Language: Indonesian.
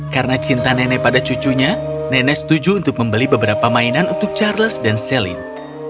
karena cinta nenek pada cucunya nenek setuju untuk membeli beberapa mainan untuk charles dan celine